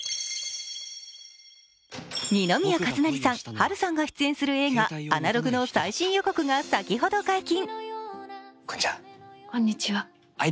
二宮和也さん、波瑠さんが出演する映画、「アナログ」の最新予告が先ほど解禁。